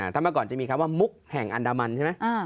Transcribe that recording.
ถ้าเมื่อก่อนจะมีคำว่ามุกแห่งอันดามันใช่ไหม